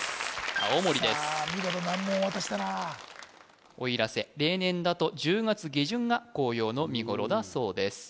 青森ですさあ見事難問を渡したな奥入瀬例年だと１０月下旬が紅葉の見頃だそうです